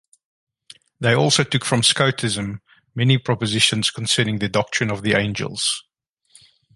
They also took from Scotism many propositions concerning the doctrine of the angels.